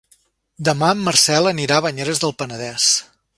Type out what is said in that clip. Demà en Marcel anirà a Banyeres del Penedès.